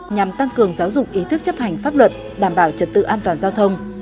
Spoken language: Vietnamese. nhằm tăng cường giáo dục ý thức chấp hành pháp luật đảm bảo trật tự an toàn giao thông